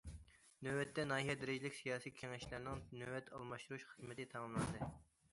نۆۋەتتە، ناھىيە دەرىجىلىك سىياسىي كېڭەشلەرنىڭ نۆۋەت ئالماشتۇرۇش خىزمىتى تاماملاندى.